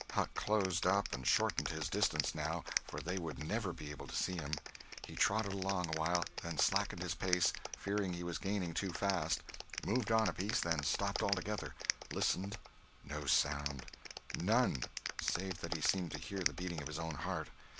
Huck closed up and shortened his distance, now, for they would never be able to see him. He trotted along awhile; then slackened his pace, fearing he was gaining too fast; moved on a piece, then stopped altogether; listened; no sound; none, save that he seemed to hear the beating of his own heart.